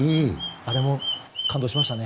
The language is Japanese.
あれも感動しましたね。